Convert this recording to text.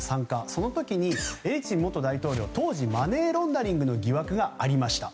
その時にエリツィン元大統領当時マネーロンダリングの疑惑がありました。